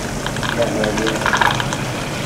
Ttmahalen.